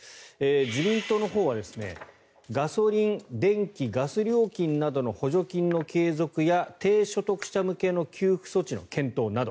自民党のほうはガソリン電気・ガス料金などの補助金の継続や、低所得者向けの給付措置の検討など。